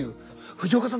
藤岡さん